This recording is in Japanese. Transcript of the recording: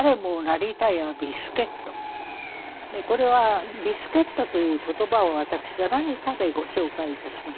これは「微助っ人」という言葉を私が何かでご紹介いたしまして。